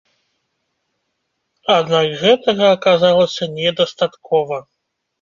Аднак гэтага аказалася недастаткова.